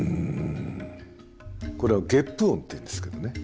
これはゲップ音っていうんですけどね